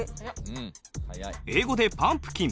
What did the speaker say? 英語で「パンプキン」